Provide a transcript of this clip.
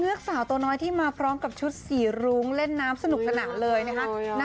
ลูกสาวตัวน้อยที่มาพร้อมกับชุดสีรุ้งเล่นน้ำสนุกสนานเลยนะคะ